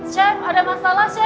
chef ada masalah chef